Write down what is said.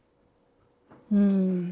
うん。